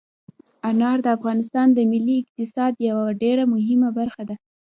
انار د افغانستان د ملي اقتصاد یوه ډېره مهمه برخه ده.